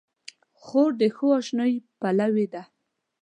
خور د ښو اشنايي پلوي ده.